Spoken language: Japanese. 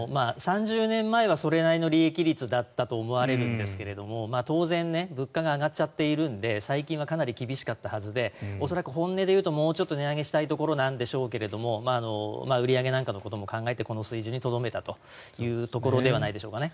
３０年前はそれなりの利益率だったと思われるんですが当然、物価が上がっちゃっているので最近はかなり厳しかったはずで恐らく本音で言うともうちょっと値上げしたいところなんでしょうけども売上なんかのことも考えてこの水準にとどめたということではないでしょうか。